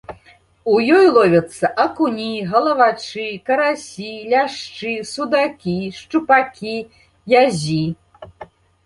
У ёй ловяцца акуні, галавачы, карасі, ляшчы, судакі, шчупакі, язі.